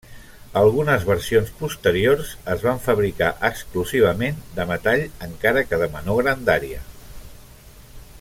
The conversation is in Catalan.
Algunes versions posteriors es van fabricar exclusivament de metall encara que de menor grandària.